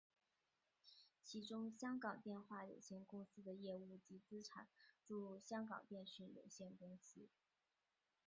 其中香港电话有限公司的业务及资产注入香港电讯有限公司。